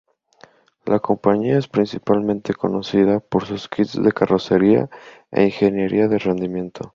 La compañía es principalmente conocida por sus kits de carrocería e ingeniería de rendimiento.